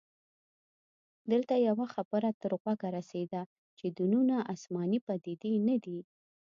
دلته يوه خبره تر غوږه رسیده چې دینونه اسماني پديدې نه دي